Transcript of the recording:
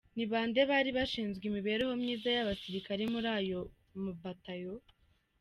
Ni bande bari bashinzwe imibereho myiza y’abasirikare muri ayo ma batayo ?